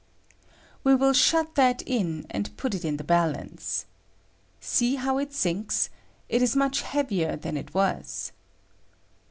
] We will shut that in and put it in the balance. See how it sinks ; it is much heavier than it was.